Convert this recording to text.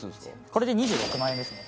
これで２６万円ですね